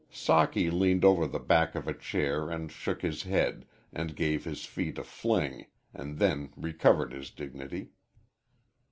Socky leaned over the back of a chair and shook his head, and gave his feet a fling and then recovered his dignity.